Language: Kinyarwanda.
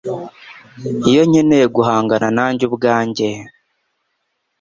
Iyo nkeneye guhangana nanjye ubwanjye